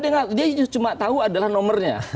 dia cuma tahu adalah nomornya